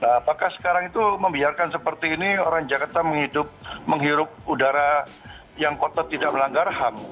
apakah sekarang itu membiarkan seperti ini orang jakarta menghirup udara yang kotak tidak melanggar ham